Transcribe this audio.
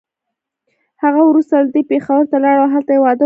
هغه وروسته له دې پېښور ته لاړه او هلته يې واده وکړ.